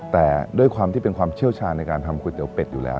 แต่ด้วยความที่เป็นความเชี่ยวชาญในการทำก๋วยเตี๋เป็ดอยู่แล้ว